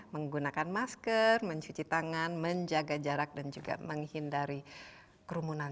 menggunakan masker mencuci tangan menjaga jarak dan juga menghindari kerumunan